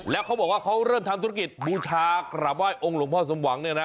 แล้วเขาบอกว่าเขาเริ่มทำธุรกิจบูชากราบไห้องค์หลวงพ่อสมหวังเนี่ยนะ